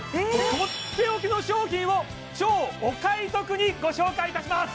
とっておきの商品を超お買い得にご紹介いたします！